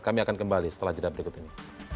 kami akan kembali setelah jeda berikut ini